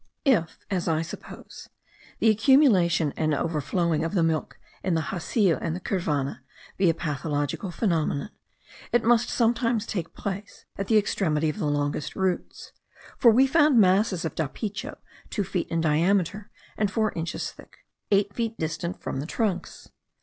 If, as I suppose, the accumulation and overflowing of the milk in the jacio and the curvana be a pathological phenomenon, it must sometimes take place at the extremity of the longest roots, for we found masses of dapicho two feet in diameter and four inches thick, eight feet distant from the trunks.